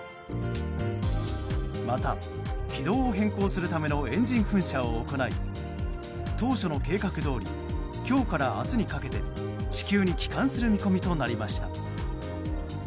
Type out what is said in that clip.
また軌道を変更するためのエンジン噴射を行い当初の計画どおり今日から明日にかけて地球に帰還する見込みとなりました。